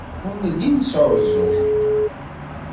Ur nelli nesɛuẓẓug.